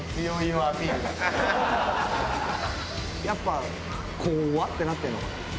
やっぱ怖っ！ってなってるのかな？